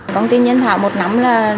công ty nhân thảo một năm là